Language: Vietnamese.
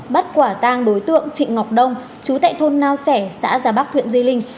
bắt quả tang đối tượng trị ngọc đông chú tại thôn nao sẻ xã già bắc huyện di linh